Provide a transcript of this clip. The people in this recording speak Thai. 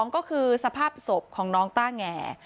ก็คือสภาพศพของน้องต้าแง